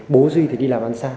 bố duy thì đi làm ăn xa